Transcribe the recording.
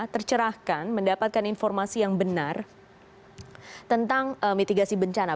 tercerahkan mendapatkan informasi yang benar tentang mitigasi bencana